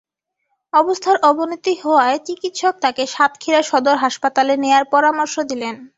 অবস্থার অবনতি হওয়ায় চিকিৎসক তাঁকে সাতক্ষীরা সদর হাসপাতালে নেওয়ার পরামর্শ দেন।